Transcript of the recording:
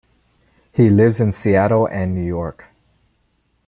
He lives in Seattle and New York.